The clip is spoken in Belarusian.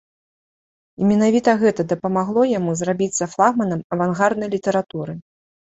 І менавіта гэта дапамагло яму зрабіцца флагманам авангарднай літаратуры.